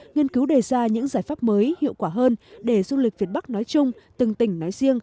nghiên cứu đề ra những giải pháp mới hiệu quả hơn để du lịch việt bắc nói chung từng tỉnh nói riêng